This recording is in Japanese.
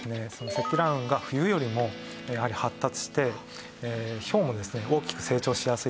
積乱雲が冬よりも発達してひょうもですね大きく成長しやすいと。